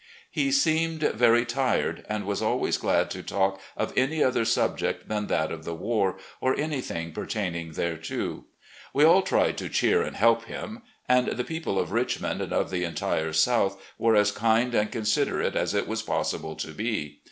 He seemed very tired, and was always glad to talk of any other subject than that of the war or an 5 rthing pertaining thereto. We all tried to cheer and help him. And the people of Richmond and of the entire South were as kind and considerate as it was possible to be.